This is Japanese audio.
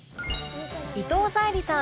伊藤沙莉さん